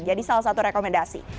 jadi salah satu rekomendasi